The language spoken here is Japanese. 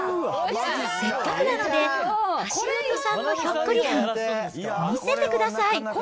せっかくなので、橋本さんのひょっこりはん、見せてください。